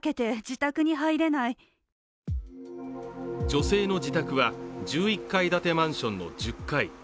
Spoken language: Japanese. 女性の自宅は１１階建てマンションの１０階。